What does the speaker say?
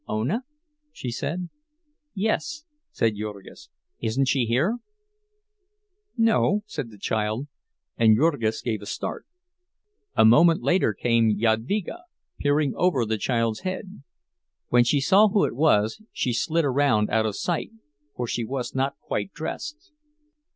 "Ona?" she said. "Yes," said Jurgis, "isn't she here?" "No," said the child, and Jurgis gave a start. A moment later came Jadvyga, peering over the child's head. When she saw who it was, she slid around out of sight, for she was not quite dressed.